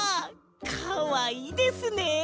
かわいいですねえ。